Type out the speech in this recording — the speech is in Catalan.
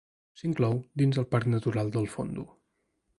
S'inclou dins del Parc Natural del Fondo.